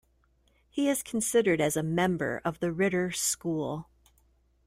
He is considered as a member of the Ritter-School.